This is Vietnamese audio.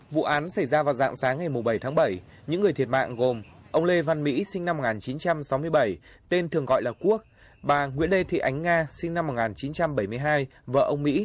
vụ án xảy ra vào dạng sáng ngày bảy tháng bảy